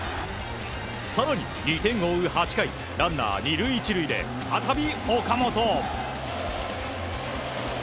更に２点を追う８回ランナー２塁１塁で再び、岡本。